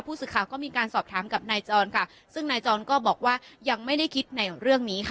สื่อข่าวก็มีการสอบถามกับนายจรค่ะซึ่งนายจรก็บอกว่ายังไม่ได้คิดในเรื่องนี้ค่ะ